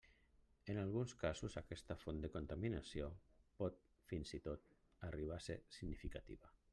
En alguns casos aquesta font de contaminació pot, fins i tot, arribar a ser significativa.